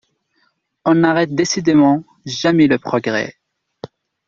On n'arrête décidément jamais le progrès!